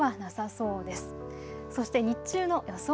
そして日中の予想